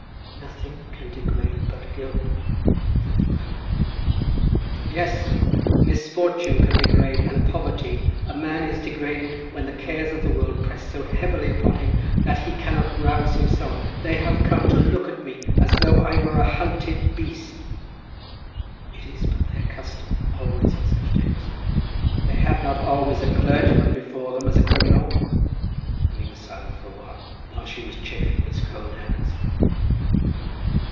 "Nothing can degrade but guilt," said his wife. "Yes, misfortune can degrade, and poverty. A man is degraded when the cares of the world press so heavily upon him that he cannot rouse himself. They have come to look at me as though I were a hunted beast." "It is but their custom always on such days." "They have not always a clergyman before them as a criminal." Then he was silent for a while, while she was chafing his cold hands.